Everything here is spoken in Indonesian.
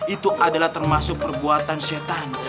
itu adalah termasuk perbuatan syetan